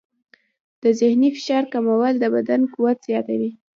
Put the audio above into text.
د ذهني فشار کمول د بدن قوت زیاتوي.